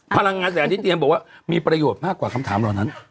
พลังงานแสงอาทิตย์เตรียมบอกว่ามีประโยชน์มากกว่าคำถามเหล่านั้น